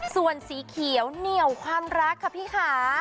ส่วนสีเขียวเหนี่ยวความรักค่ะพี่ค่ะ